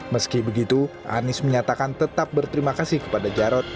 meski begitu anies menyatakan tetap berterima kasih kepada jarod